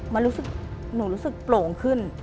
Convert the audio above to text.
มันรู้สึกหนูรู้สึกโปร่งขึ้น